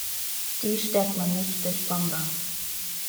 Die stärkt man nicht durch Bomber.